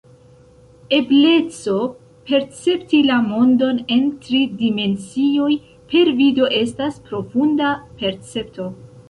Ebleco percepti la mondon en tri dimensioj per vido estas profunda percepto.